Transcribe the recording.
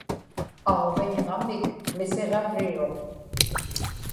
aġviñġamik misiġarriruq